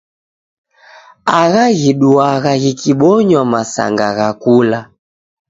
Agha ghiduagha ghikibonywa masanga gha kula.